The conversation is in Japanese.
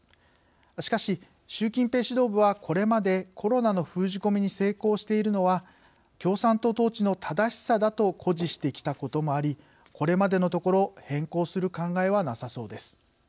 しかし、習近平指導部はこれまでコロナの封じ込めに成功しているのは共産党統治の正しさだと誇示してきたこともありこれまでのところ変更する考えはなさそうです。